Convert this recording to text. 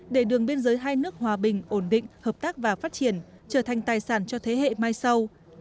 để đường biên giới hai nước hòa bình ổn định hợp tác và phát triển trở thành tài sản cho thế hệ mai sau